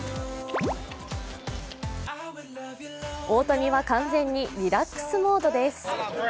大谷は完全にリラックスモードです。